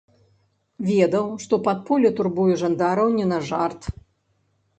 Ведаў, што падполле турбуе жандараў не на жарт.